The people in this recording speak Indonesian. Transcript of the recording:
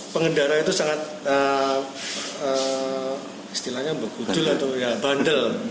pengendara itu sangat istilahnya bekudul atau ya bandel